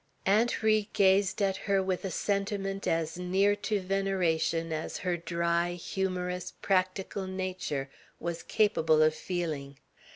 Aunt Ri gazed at her with a sentiment as near to veneration as her dry, humorous, practical nature was capable of feeling.